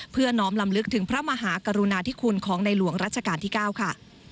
น้อมลำลึกถึงพระมหากรุณาธิคุณของในหลวงรัชกาลที่๙ค่ะ